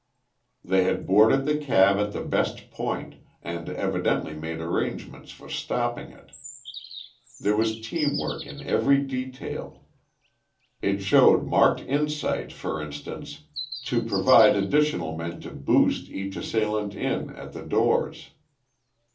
They had boarded the cab at the best point, and evidently made arrangements for stopping it. There was team work in every detail. It showed marked insight, for instance, to provide additional men to boost each assailant in at the doors.